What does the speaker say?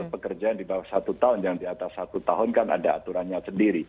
karena saya kerja di bawah satu tahun yang di atas satu tahun kan ada aturannya sendiri